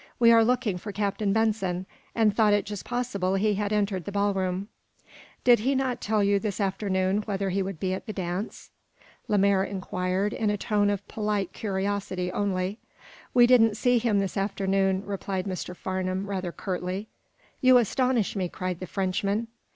"We are looking for Captain Benson, and thought it just possible he had entered the ballroom." "Did he not tell you, this afternoon, whether he would be at the dance?" Lemaire inquired, in a tone of polite curiosity only. "We didn't see him this afternoon," replied Mr. Farnum, rather curtly. "You astonish me," cried the Frenchman.